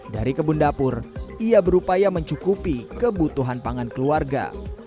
dari kebun dapur ia berupaya mencukupi kebutuhan pangan keluarga